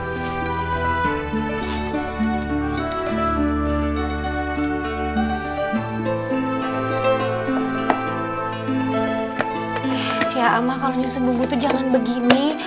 eh siya amah kalo nyusun bumbu tuh jangan begini